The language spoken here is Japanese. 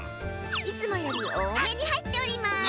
いつもよりおおめにはいっております！